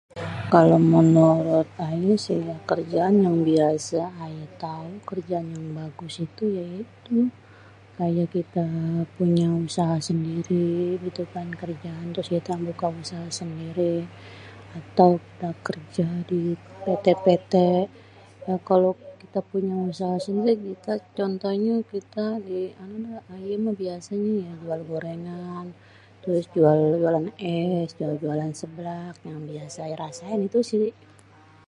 Kalau menurut ayé si ya kerjaan yang biasé ayé tau, kerjaan yang bagus itu ya itu kayé kité punya usaha sendiri gitu kan kerjaan terus kita buka usaha sendiri atau kerja di PT-PT, ya kalo kita punya usaha sendiri contohnyé kita di ayé biasényé jual gorengan, terus jualan es, jualan seblak yang biasé ayé rasain itu si.